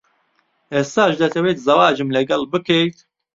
ئێستاش دەتەوێت زەواجم لەگەڵ بکەیت؟